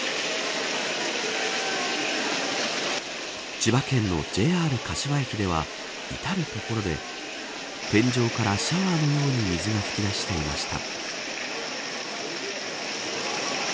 千葉県のＪＲ柏駅では至る所で天井からシャワーのように水が噴き出していました。